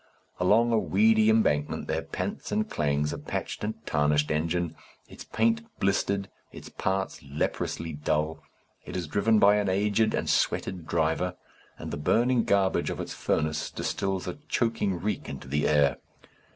Along a weedy embankment there pants and clangs a patched and tarnished engine, its paint blistered, its parts leprously dull. It is driven by an aged and sweated driver, and the burning garbage of its furnace distils a choking reek into the air.